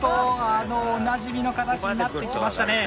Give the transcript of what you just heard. あのおなじみの形になってきましたね。